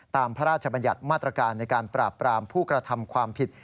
พระราชบัญญัติมาตรการในการปราบปรามผู้กระทำความผิด